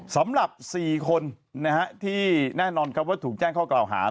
สำหรับ๔คนที่แน่นอนครับว่าถูกแจ้งข้อกล่าวหา